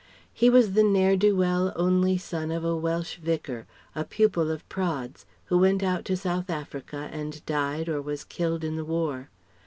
"He was the ne'er do weel, only son of a Welsh vicar, a pupil of Praed's, who went out to South Africa and died or was killed in the war.